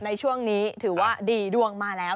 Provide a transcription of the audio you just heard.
ในช่วงนี้ถือว่าดีดวงมาแล้ว